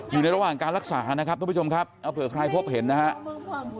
อยู่ในระหว่างการรักษานะครับทุกผู้ชมครับเอาเผื่อใครพบเห็นนะครับ